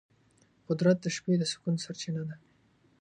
قدرت د شپې د سکون سرچینه ده.